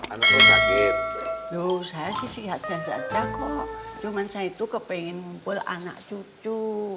anaknya sakit duh saya sih sihat saja kok cuman saya itu ke pengen ngumpul anak cucu